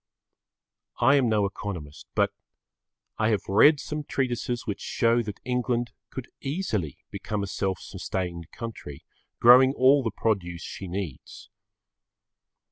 I am no economist, but I have read some treatises which show that England could easily become a self sustained country, growing all the produce she needs.